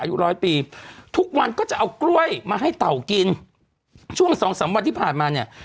อายุร้อยปีทุกวันก็จะเอากล้วยมาให้เต่ากินช่วงสองสามวันที่ผ่านมาเนี่ย